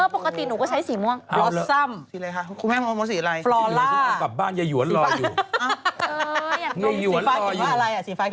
เออปกติหนูก็ใช้สีม่วงบลอสซัมฟลอร่าสีฟ้าเห็นว่าอะไร